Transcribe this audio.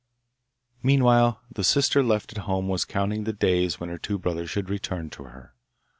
Meanwhile the sister left at home was counting the days when her two brothers should return to her.